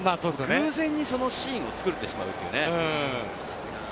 偶然にそのシーンを作ってしまう。